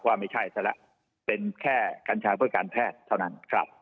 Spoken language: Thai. ว่าไม่ใช่ซะแล้วเป็นแค่กัญชาเพื่อการแพทย์เท่านั้น